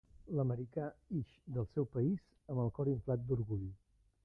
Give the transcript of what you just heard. L'americà ix del seu país amb el cor inflat d'orgull.